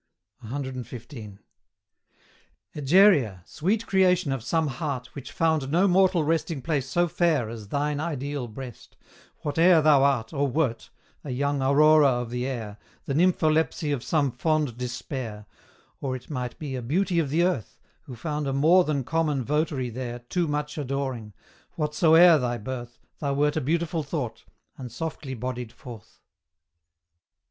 CXV. Egeria! sweet creation of some heart Which found no mortal resting place so fair As thine ideal breast; whate'er thou art Or wert, a young Aurora of the air, The nympholepsy of some fond despair; Or, it might be, a beauty of the earth, Who found a more than common votary there Too much adoring; whatsoe'er thy birth, Thou wert a beautiful thought, and softly bodied forth.